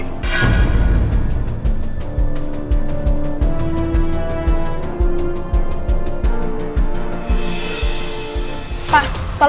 ini adalah kematianku